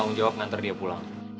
gue jangan nanya dua orang aja